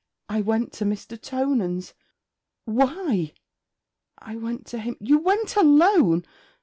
'I went to Mr. Tonans.' 'Why?' 'I went to him ' 'You went alone?'